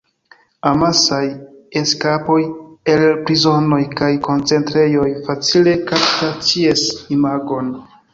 Amasaj eskapoj el prizonoj kaj koncentrejoj facile kaptas ĉies imagon.